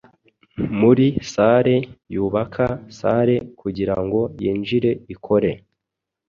Muri salle yubaka salle kugirango yinjire ikore